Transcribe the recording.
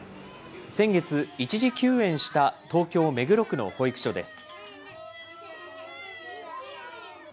先月、一時休園した東京・目黒区の保育所です。